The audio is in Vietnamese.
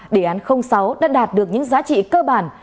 đề án sáu đã đạt được những giá trị cơ bản